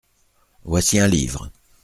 Voici un livre.